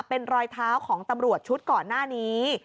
เป็นรอยเท้าของตำรวจชุดก่อนหน้านี้